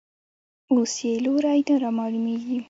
اوس یې لوری نه رامعلومېږي.